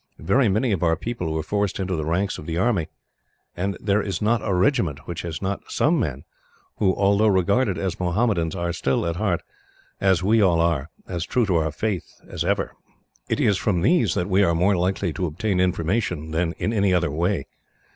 Very many of our people were forced into the ranks of the army, and there is not a regiment which has not some men who, although regarded as Mohammedans, are still at heart, as we all are, as true to our faith as ever. "It is from these that we are more likely to obtain information than in any other way.